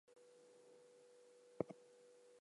Antelope include sable, eland, kudu, waterbuck and impala.